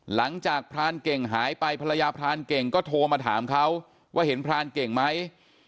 พรานเก่งหายไปภรรยาพรานเก่งก็โทรมาถามเขาว่าเห็นพรานเก่งไหม